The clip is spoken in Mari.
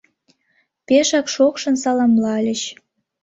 Пешак шокшын саламлальыч;